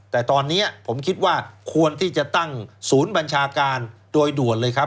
แต่ตอนนี้ผมคิดว่าควรที่จะตั้งศูนย์บัญชาการโดยด่วนเลยครับ